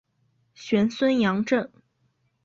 玄孙杨震。